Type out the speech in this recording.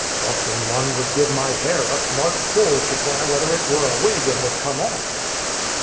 Often one would give my hair a smart pull to try whether it were a wig and would come off.'"